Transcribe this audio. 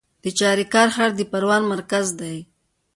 د چاریکار ښار د پروان مرکز دی